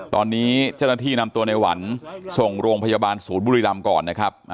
ตอนนี้เจ้าหน้าที่นำตัวในวันส่งโรงพยาบาลสูตรบุริลำเมืองที่วันนี้นะครับ